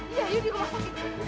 iya ayo di rumah sakit